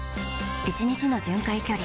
１日の巡回距離